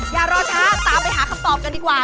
อย่ารอช้าตามไปหาคำตอบกันดีกว่า